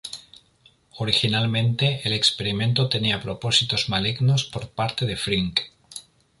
Originalmente, el experimento tenía propósitos malignos por parte de Frink.